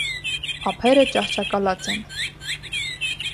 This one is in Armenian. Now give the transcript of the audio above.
Ափերը ճահճակալած են։